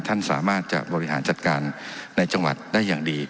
ท่านสามารถจะบริหารจัดการในจังหวัดได้อย่างดี